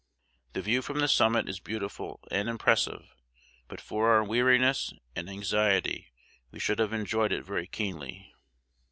The view from the summit is beautiful and impressive; but for our weariness and anxiety, we should have enjoyed it very keenly.